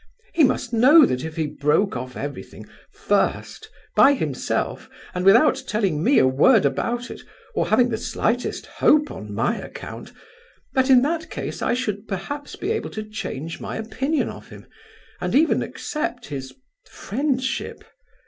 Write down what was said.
He must know that if he 'broke off everything,' first, by himself, and without telling me a word about it or having the slightest hope on my account, that in that case I should perhaps be able to change my opinion of him, and even accept his—friendship.